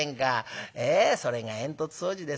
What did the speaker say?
それが煙突掃除ですか。